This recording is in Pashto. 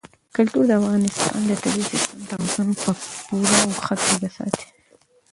کلتور د افغانستان د طبعي سیسټم توازن په پوره او ښه توګه ساتي.